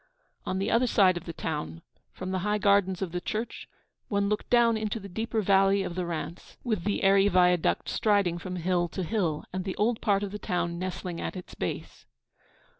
On the other side of the town, from the high gardens of the church, one looked down into the deeper valley of the Rance, with the airy viaduct striding from hill to hill, and the old part of the town nestling at its base.